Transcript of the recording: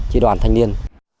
tri đoàn thanh niên